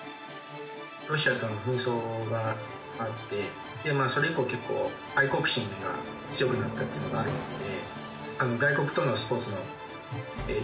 ロシアとの紛争があってそれ以降結構愛国心が強くなったっていうのがあるので。